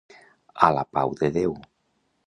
A la pau de Déu.